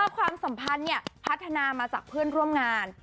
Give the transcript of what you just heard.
ความสัมพันธ์พัฒนามาจากเพื่อนร่วมงาน